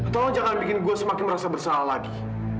tolong jangan bikin gue semakin merasa bersalah lagi